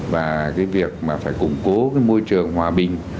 và việc phải củng cố môi trường hòa bình